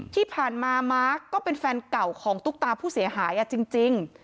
ที่ผ่านมามาร์คก็เป็นแฟนเก่าของตุ๊กตาผู้เสียหายจริง